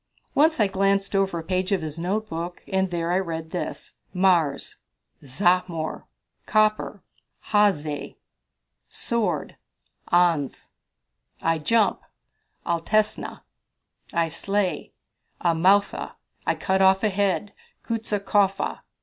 Once I glanced over a page of his notebook, and there I read this: "Mars Zahmor." "Copper Hayez." "Sword Anz." "I jump Altesna." "I slay Amoutha." "I cut off a head Ksutaskofa."